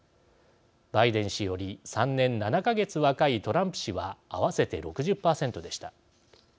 バイデン氏より３年７か月若いトランプ氏は合わせて６０％でした。